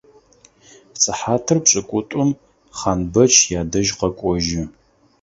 Сыхьатыр пшӏыкӏутӏум Хъанбэч ядэжь къэкӏожьы.